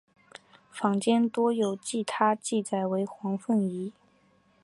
坊间多有将她记载为黄凤仪。